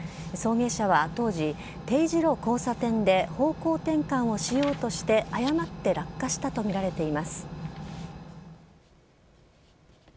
送迎車は当時丁字路交差点で方向転換をしようとして誤って落下したとみられています。